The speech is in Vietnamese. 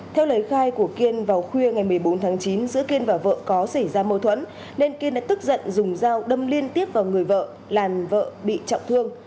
theo lời khai của kiên vào khuya ngày một mươi bốn tháng chín giữa kiên và vợ có xảy ra mâu thuẫn nên kiên đã tức giận dùng dao đâm liên tiếp vào người vợ làm vợ bị trọng thương